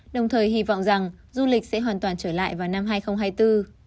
đồng thời hy vọng rằng du lịch sẽ hoàn toàn trở lại vào năm hai nghìn hai mươi bốn